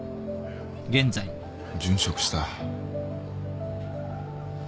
殉職した。